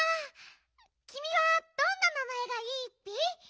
きみはどんななまえがいいッピ？